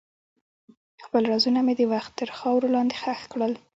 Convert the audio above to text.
خپل رازونه مې د وخت تر خاورو لاندې ښخ کړل.